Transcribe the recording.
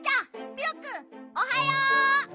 ピロくんおはよう！